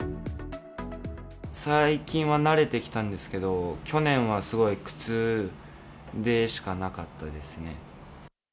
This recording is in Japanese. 最近は慣れてきたんですけど、去年はすごい苦痛でしかなかったですね。